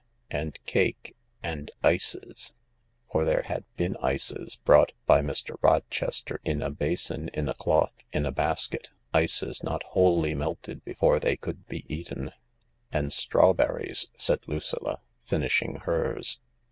And cake. And ices." For there had been ices, brought by Mr. Rochester in a basin in a cloth in a basket— ices not wholly melted before they could be eaten. And strawberries," said Lucilla, finishing hers.